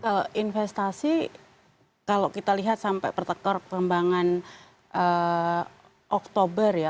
kalau investasi kalau kita lihat sampai pertektor perkembangan oktober ya